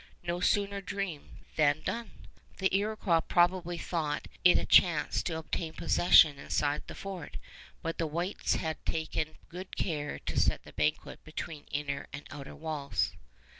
No sooner dreamed than done! The Iroquois probably thought it a chance to obtain possession inside the fort; but the whites had taken good care to set the banquet between inner and outer walls.